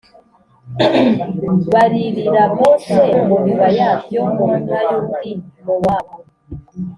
baririra Mose mu bibaya byo mu butayu bw’i Mowabu.